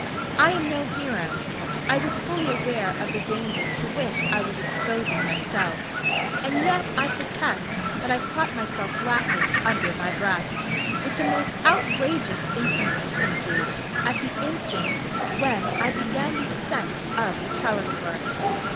I am no hero I was fully aware of the danger to which I was exposing myself; and yet I protest that I caught myself laughing under my breath, with the most outrageous inconsistency, at the instant when I began the ascent of the trellis work.